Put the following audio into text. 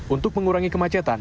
untuk mengurangi kemacetan